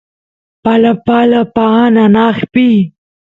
palapala paan anaqpi